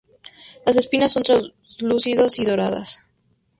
Las espinas son translúcidos y doradas.